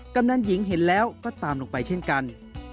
กำนันหญิงเห็นแล้วก็ตามลงไปเช่นกัน